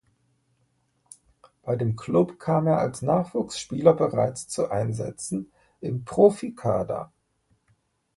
Bei dem Klub kam er als Nachwuchsspieler bereits zu Einsätzen im Profikader.